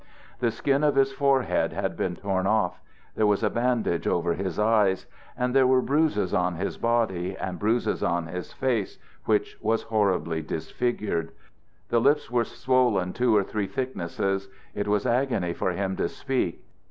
The skin of his forehead had been torn off; there was a bandage over his eyes. And there were bruises on his body and bruises on his face, which was horribly disfigured. The lips were swollen two or three thicknesses; it was agony for him to speak.